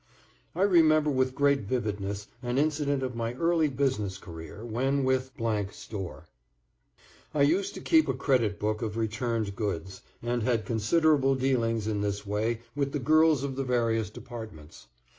I remember with great vividness an incident of my early business career, when with ... store. I used to keep a credit book of returned goods, and had considerable dealings in this way with the girls of the various departments.